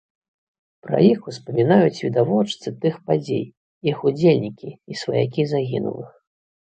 Пра іх успамінаюць відавочцы тых падзей, іх удзельнікі, і сваякі загінулых.